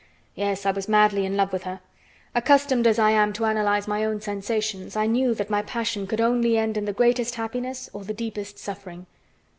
Yes, I was madly in love with her; accustomed as I am to analyze my own sensations, I knew that my passion could only end in the greatest happiness or the deepest suffering.